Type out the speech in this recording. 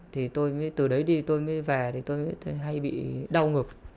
thì từ đấy đi tôi mới về thì tôi hay bị đau ngực